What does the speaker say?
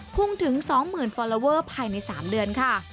พุ่งถึง๒๐๐๐ฟอลลอเวอร์ภายใน๓เดือนค่ะ